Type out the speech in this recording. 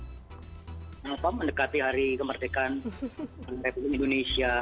ya ini merupakan apa yang mendekati hari kemerdekaan republik indonesia